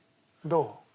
どう？